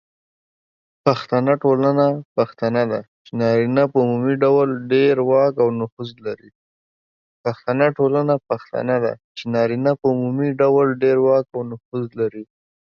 پښتنه ټولنه پښتنه ده، چې نارینه په عمومي ډول ډیر واک او نفوذ لري.